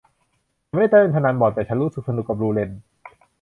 ฉันไม่ได้เล่นพนันบ่อนแต่ฉันก็รู้สึกสนุกกับรูเรทท์